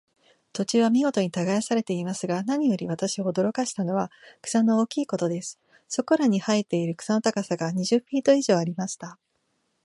土地は見事に耕されていますが、何より私を驚かしたのは、草の大きいことです。そこらに生えている草の高さが、二十フィート以上ありました。